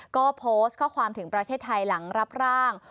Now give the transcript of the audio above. ก็โพสต์ข้อความถึงประเทศไทยหลังรับร่าง